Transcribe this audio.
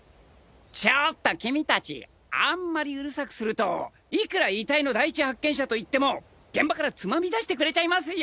ちょっと君達あんまりうるさくするといくら遺体の第一発見者といっても現場からつまみ出してくれちゃいますよ！！